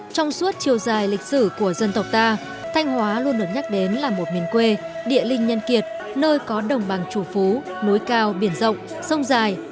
trong suốt chiều dài lịch sử của dân tộc ta thanh hóa luôn được nhắc đến là một miền quê địa linh nhân kiệt nơi có đồng bằng chủ phú núi cao biển rộng sông dài